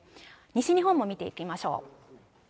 西日本も見ていきましょう。